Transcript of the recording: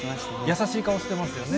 優しい顔してますけどね。